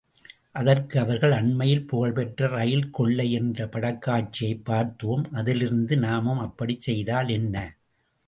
அதற்கு அவர்கள், அண்மையில் புகழ்பெற்ற ரயில் கொள்ளை என்ற படக்காட்சியைப் பார்த்தோம், அதிலிருந்து நாமும் அப்படிக் செய்தால் என்ன?